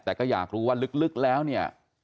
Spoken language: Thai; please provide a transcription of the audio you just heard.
แต่ก็อยากรู้ว่าลึกแล้วเนี่ย